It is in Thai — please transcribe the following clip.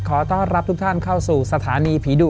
ขอต้อนรับทุกท่านเข้าสู่สถานีผีดุ